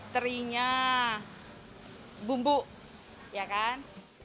terinya bumbu ya kan